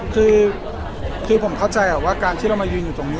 คือผมเข้าใจว่าการที่เรามายืนอยู่ตรงนี้